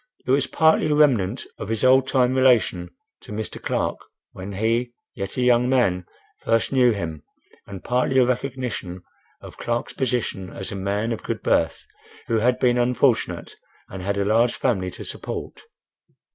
It was partly a remnant of his old time relation to Mr. Clark when he, yet a young man, first knew him, and partly a recognition of Clark's position as a man of good birth who had been unfortunate, and had a large family to support.